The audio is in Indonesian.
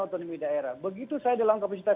otonomi daerah begitu saya dalam kapasitas